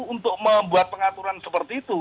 untuk membuat pengaturan seperti itu